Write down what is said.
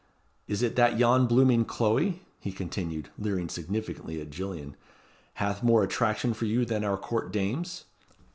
Is it that yon blooming Chloe," he continued, leering significantly at Gillian, "hath more attraction for you than our court dames?